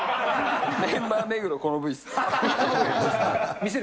メンバー、目黒、この部位です。